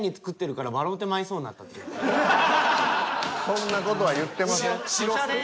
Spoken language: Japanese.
そんな事は言ってません。